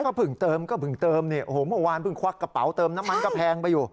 ก็เพิ่งเติมก็เพิ่งเติมเนี่ยโอ้โหเมื่อวานเพิ่งควักกระเป๋าเติมน้ำมันก็แพงไปอยู่